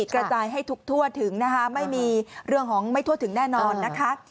กระจายให้ทุกทั่วถึงนะคะไม่มีเรื่องของไม่ทั่วถึงแน่นอนนะคะ